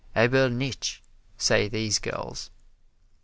Aber nicht, say these girls.